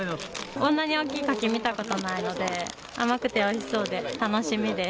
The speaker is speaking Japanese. こんなに大きい柿見たことないので甘くておいしそうで楽しみです。